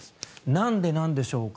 なんでなんでしょうか。